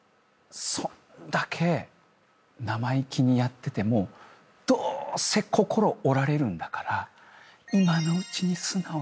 そんだけ生意気にやっててもどうせ心折られるんだから。